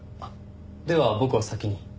では僕は先に。